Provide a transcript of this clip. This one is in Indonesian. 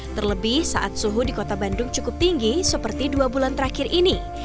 terlebih saat suhu di kota bandung cukup tinggi seperti dua bulan terakhir ini